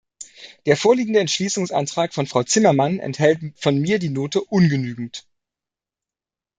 Der vorliegende Entschließungsantrag von Frau Zimmermann erhält von mir die Note ungenügend.